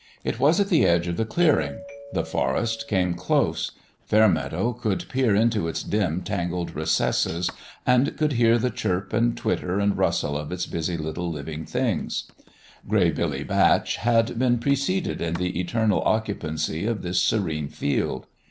It was at 48 PICK AND SHOVEL the edge of the clearing ; the forest came close : Fairmeadow could peer into its dim, tangled re cesses, and could hear the chirp and twitter and rustle of its busy little living things. Gray Billy Batch had been preceded in the eternal occu pancy of this serene field.